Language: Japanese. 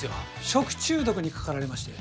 食中毒にかかられまして。